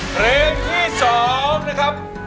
เทรมที่สองนะครับ